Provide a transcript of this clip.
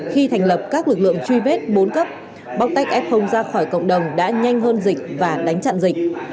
khi thành lập các lực lượng truy vết bốn cấp bóc tách f ra khỏi cộng đồng đã nhanh hơn dịch và đánh chặn dịch